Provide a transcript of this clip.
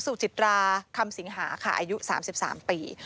สูงจิตราค่ะอายุ๓๓ปี